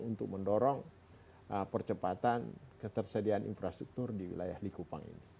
untuk mendorong percepatan ketersediaan infrastruktur di wilayah likupang ini